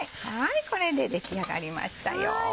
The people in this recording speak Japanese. これで出来上がりましたよ。